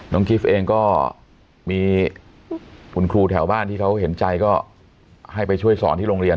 กิฟต์เองก็มีคุณครูแถวบ้านที่เขาเห็นใจก็ให้ไปช่วยสอนที่โรงเรียน